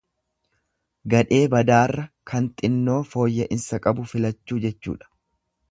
Gadhee badaarra kan xinnoo fooyya'insa qabu filachuu jechuudha.